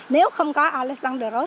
nếu không có alessandro